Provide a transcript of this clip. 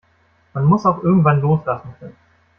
Man muss auch irgendwann loslassen können.